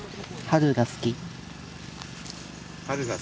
春が好きか。